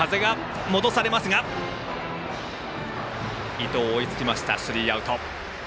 伊藤、追いつきましたスリーアウト。